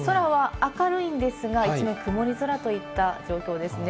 空は明るいんですが、曇り空といった状況ですね。